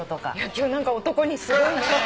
今日何か男にすごいね。